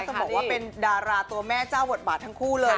ต้องบอกว่าเป็นดาราตัวแม่เจ้าบทบาททั้งคู่เลย